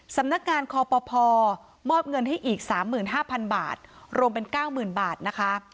สำนักงานคอปภมอบเงินให้อีก๓๕๐๐๐บาทรวมเป็น๙๐๐บาทนะคะ